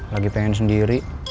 lagi pengen sendiri